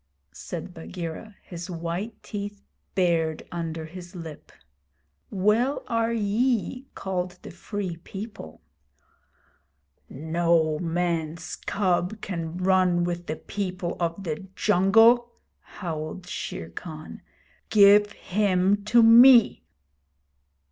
said Bagheera, his white teeth bared under his lip. 'Well are ye called the Free People!' 'No man's cub can run with the people of the jungle,' howled Shere Khan. 'Give him to me!'